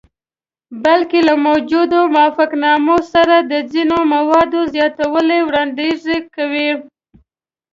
بلکې له موجودو موافقتنامو سره د ځینو موادو زیاتولو وړاندیز کوي.